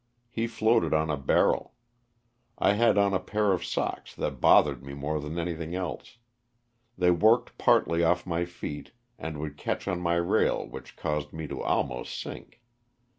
He floated on a barrel. I had on a pair of socks that bothered me more than anything else. They worked partly off my feet and would catch on my rail which caused me to almost sink.